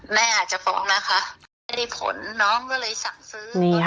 แม่อาจจะฟ้องนะคะไม่ได้ผลน้องก็เลยสั่งซื้อ